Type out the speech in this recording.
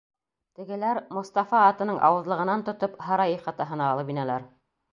Тегеләр, Мостафа атының ауыҙлығынан тотоп, һарай ихатаһына алып инәләр.